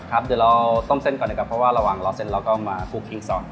ครับเดี๋ยวเราต้มเส้นก่อนนะครับเพราะว่าระหว่างรอเส้นเราก็มาคลุกที่สอง